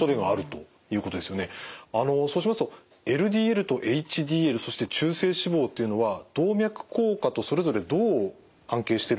あのそうしますとＬＤＬとＨＤＬそして中性脂肪というのは動脈硬化とそれぞれどう関係しているんでしょうか？